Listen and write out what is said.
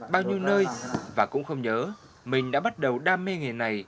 bao nhiêu nơi và cũng không nhớ mình đã bắt đầu đam mê nghề này